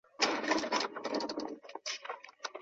东南菱悦此车型到今日仍在继续生产。